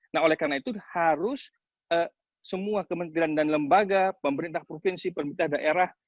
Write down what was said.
nah oleh karena itu harus semua kementerian dan lembaga pemerintah provinsi pemerintah daerah